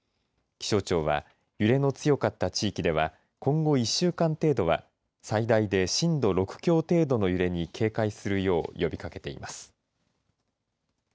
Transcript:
気象庁は揺れの強かった地域では今後、１週間程度は最大で震度６強程度の揺れに警戒するよう呼びかけています。